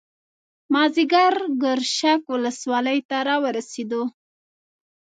مازیګر ګرشک ولسوالۍ ته راورسېدو.